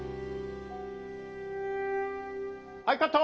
はいカット！